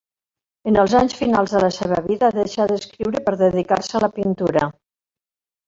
En els anys finals de la seva vida deixà d'escriure per dedicar-se a la pintura.